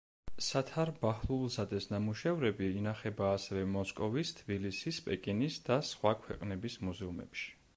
სათარ ბაჰლულზადეს ნამუშევრები ინახება ასევე მოსკოვის, თბილისის, პეკინის და სხვა ქვეყნების მუზეუმებში.